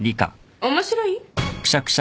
面白い？